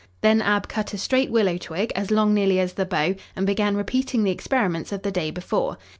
Then Ab cut a straight willow twig, as long nearly as the bow, and began repeating the experiments of the day before.